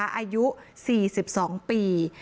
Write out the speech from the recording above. อายุ๔๒ปี